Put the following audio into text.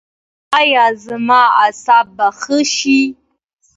ایا زما اعصاب به ښه شي؟